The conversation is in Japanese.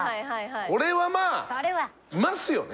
これはまあいますよね。